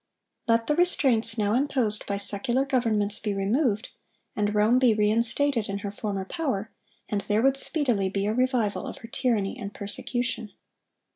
Let the restraints now imposed by secular governments be removed, and Rome be re instated in her former power, and there would speedily be a revival of her tyranny and persecution.